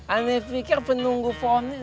aneh fikir penunggu phone